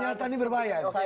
pernyataan ini berbahaya